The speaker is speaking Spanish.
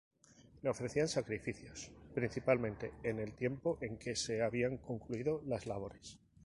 Le ofrecían sacrificios, principalmente, en el tiempo en que se habían concluido las labores.